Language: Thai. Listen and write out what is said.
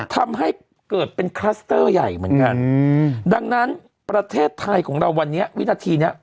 ทำให้เกิดเป็นคลัสเตอร์ใหญ่เหมือนกันดังนั้นประเทศไทยของเราวันนี้วินาทีเนี้ย